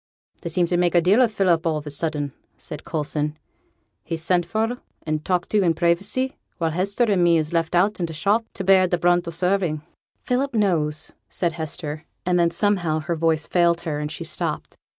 'They seem to make a deal o' Philip all on a sudden,' said Coulson. 'He's sent for, and talked to i' privacy, while Hester and me is left i' t' shop for t' bear t' brunt o' t' serving.' 'Philip knows,' said Hester, and then, somehow, her voice failed her and she stopped.